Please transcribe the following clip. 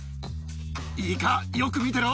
いいか、よく見てろ。